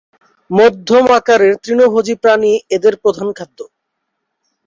মধ্যম আকারের তৃণভোজী প্রাণী এদের প্রধান খাদ্য।